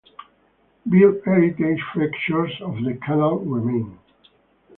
Built heritage features of the canal remain.